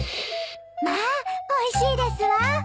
まあおいしいですわ。